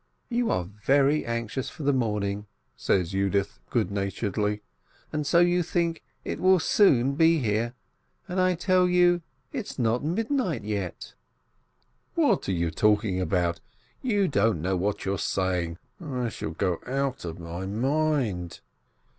"You are very anxious for the morning," says Yudith, good naturedly, "and so you think it will soon be here, and I tell you, it's not midnight yet." "What are you talking about? You don't know what you're saying ! I shall go out of my mind."